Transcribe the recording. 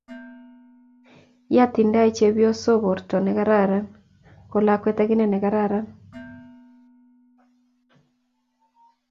ya tindai chepyoso porto ne kararan ko lakwet ak ine ko kararan